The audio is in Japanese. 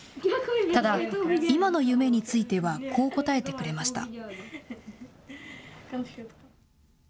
ただ、今の夢についてはこう答えてくれました。